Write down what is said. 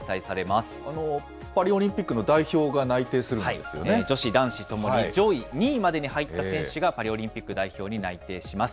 パリオリンピックの代表が内女子、男子ともに上位２位までに入った選手が、パリオリンピック代表に内定します。